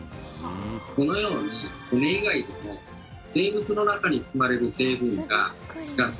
このように骨以外でも生物の中に含まれる成分が地下水